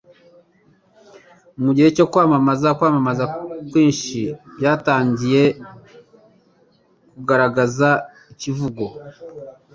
Mugihe cya Kwamamaza Kwamamaza Kwinshi Byatangiye Kugaragaza Icivugo